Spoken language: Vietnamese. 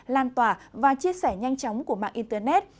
lan tỏa và chia sẻ nhanh chóng của mạng internet